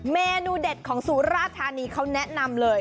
เมนูเด็ดของสุราธานีเขาแนะนำเลย